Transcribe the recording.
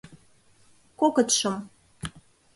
Кокытшым.